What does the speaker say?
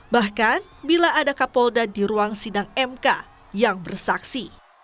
bahkan bila ada kapolda di ruang sidang mk yang bersaksi